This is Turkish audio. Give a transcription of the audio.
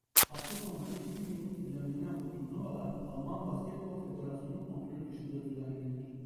Hafta sonları iki günlük düzenlenen bu turnuvalar Alman Basketbol Federasyonu kontrolü dışında düzenlenir.